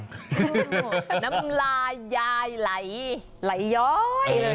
น้ำลายายไหลไหลย้อยเลยนะ